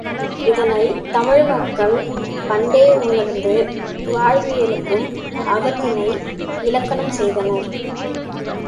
இதனைத் தமிழ் மக்கள் பண்டே உணர்ந்து வாழ்வியலுக்கும் அகத்திணை இலக்கணம் செய்தனர்.